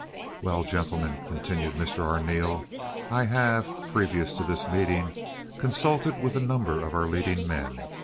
"Well, gentlemen," continued Mr. Arneel, "I have, previous to this meeting, consulted with a number of our leading men.